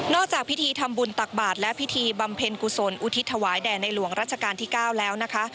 จากพิธีทำบุญตักบาทและพิธีบำเพ็ญกุศลอุทิศถวายแด่ในหลวงรัชกาลที่๙แล้วนะคะ